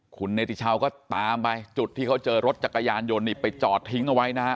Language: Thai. คุณเนติชาวก็ตามไปจุดที่เขาเจอรถจักรยานยนต์นี่ไปจอดทิ้งเอาไว้นะฮะ